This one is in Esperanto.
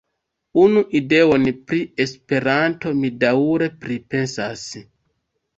Unu ideon pri Esperanto mi daŭre pripensas.